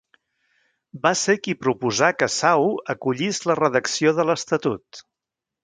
Va ser qui proposà que Sau acollís la redacció de l'Estatut.